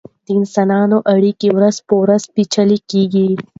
د انسانانو اړیکې ورځ په ورځ پیچلې کیږي.